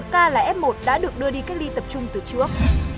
cái f một đã được đưa đi cách ly tập trung từ trước